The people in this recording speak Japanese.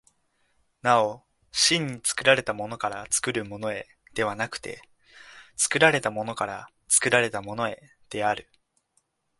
なお真に作られたものから作るものへではなくて、作られたものから作られたものへである。